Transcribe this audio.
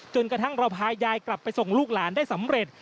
กระทั่งเราพายายกลับไปส่งลูกหลานได้สำเร็จ